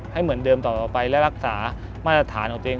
ให้เหมือนเดิมต่อไปและรักษามาตรฐานของตัวเอง